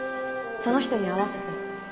その人に会わせて。